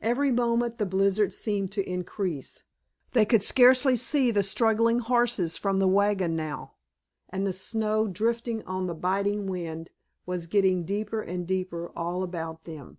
Every moment the blizzard seemed to increase. They could scarcely see the struggling horses from the wagon now, and the snow, drifting on the biting wind, was growing deeper and deeper all about them.